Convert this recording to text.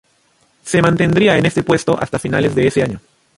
Se mantendría en este puesto hasta finales de ese año.